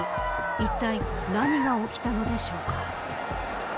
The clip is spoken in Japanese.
いったい何が起きたのでしょうか。